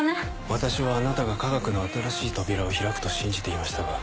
私はあなたが科学の新しい扉を開くと信じていましたが。